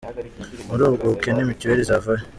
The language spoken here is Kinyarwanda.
Muli ubwo bukene mutuel izava he?